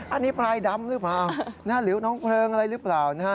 อันนี้พลายดำหรือเปล่าหรือน้องเพลิงอะไรหรือเปล่านะฮะ